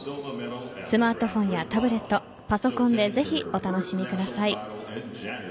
スマートフォンやタブレットパソコンでぜひお楽しみください。